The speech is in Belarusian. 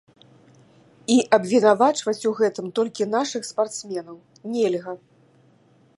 І абвінавачваць у гэтым толькі нашых спартсменаў нельга.